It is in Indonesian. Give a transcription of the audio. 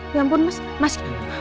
ya ampun mas mas